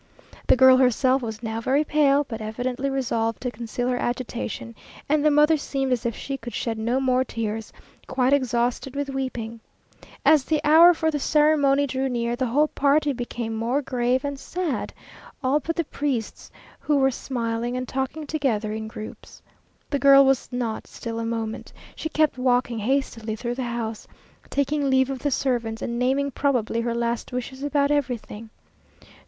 The girl herself was now very pale, but evidently resolved to conceal her agitation, and the mother seemed as if she could shed no more tears quite exhausted with weeping. As the hour for the ceremony drew near, the whole party became more grave and sad, all but the priests, who were smiling and talking together in groups. The girl was not still a moment. She kept walking hastily through the house, taking leave of the servants, and naming probably her last wishes about everything.